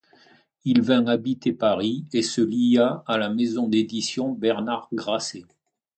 Il vint habiter Paris et se lia à la maison d'édition Bernard Grasset.